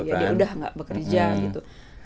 ya dia udah gak bekerja gitu